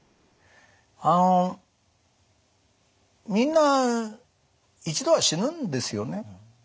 あのみんな一度は死ぬんですよね。